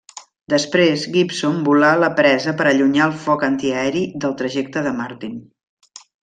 Després, Gibson volà la presa per allunyar el foc antiaeri del trajecte de Martin.